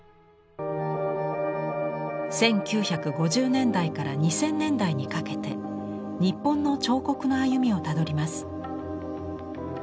１９５０年代から２０００年代にかけて日本の彫刻の歩みをたどります。